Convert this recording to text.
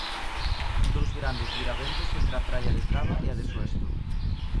Dous grandes viraventos entre a praia de Traba e a de Soesto.